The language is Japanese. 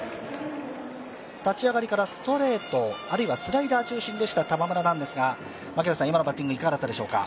立ち上がりからストレート、あるいはスライダー中心でした玉村ですが、今のバッティングいかがだったでしょうか？